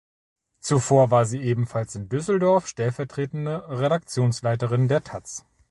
Zuvor war sie ebenfalls in Düsseldorf stellvertretende Redaktionsleiterin der taz.